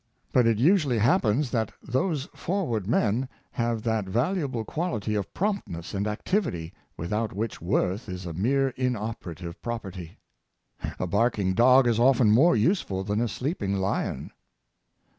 But it usually happens that those forward men have that valuable quality of promptness and activity without which worth is a mere inoperative property. A barking dog is often more useful than a sleeping lion."